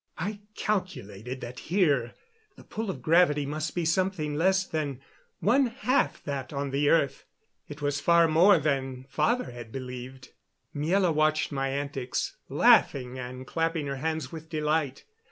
I calculated that here the pull of gravity must be something less than one half that on the earth. It was far more than father had believed. Miela watched my antics, laughing and clapping her hands with delight.